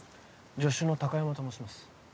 助手の貴山と申します。